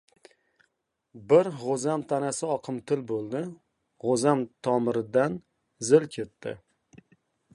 Bir g‘o‘zam tanasi oqimtil bo‘ldi — g‘o‘zam tomiridan zil ketdi.